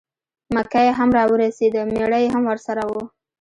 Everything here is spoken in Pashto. مکۍ هم را ورسېده مېړه یې هم ورسره و.